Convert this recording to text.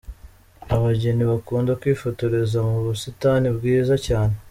Abageni bakunda kwifotoreza mu busitani bwiza cyane.